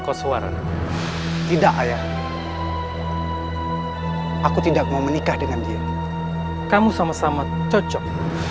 koswara tidak ayah aku tidak mau menikah dengan dia kamu sama sama cocok